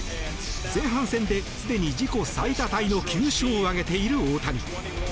前半戦で、すでに自己最多タイの９勝を挙げている大谷。